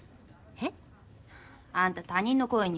えっ？